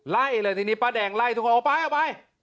ไล่เลยทีนี้ป้าแดงไล่ทุกคนออกไปออกไป